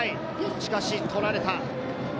しかし取られた。